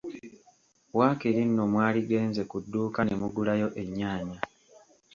Waakiri nno mwaligenze ku dduuka ne mugulayo ennyaanya!